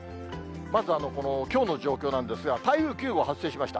まずこのきょうの状況なんですが、台風９号発生しました。